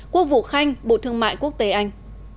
quốc vụ khanh bộ thương mại quốc tế anh